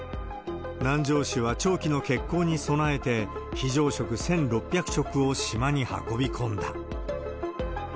南城市は、長期の欠航に備えて、非常食１６００食を島に運び込んだ。